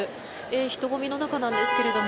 人混みの中なんですけども。